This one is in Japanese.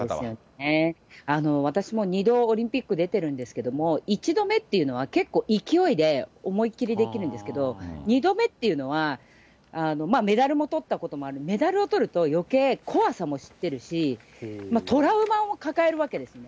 私も２度オリンピック出てるんですけれども、１度目っていうのは、結構勢いで思い切りできるんですけど、２度目っていうのは、メダルもとったこともある、メダルをとると、よけい、怖さも知ってるし、トラウマを抱えるわけですね。